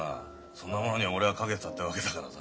そんなものに俺は懸けてたってわけだからさ。